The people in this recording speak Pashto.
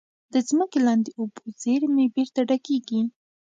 د ځمکې لاندې اوبو زیرمې بېرته ډکېږي.